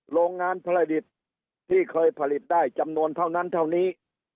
โรงงานผลิตที่เคยผลิตได้จำนวนเท่านั้นเท่านี้